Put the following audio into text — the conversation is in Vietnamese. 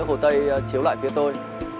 hồ tây chiếu lại phía tôi